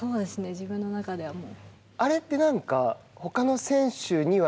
自分の中ではもう。